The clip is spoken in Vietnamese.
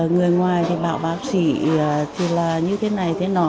người ngoài thì bảo bác sĩ thì là như thế này thế nọ